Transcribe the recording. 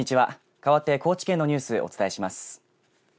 かわって高知県のニュースをお伝えします。